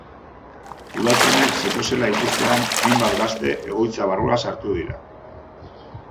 Udaltzainak zetozela ikustean, hainbat gazte egoitza barrura sartu dira.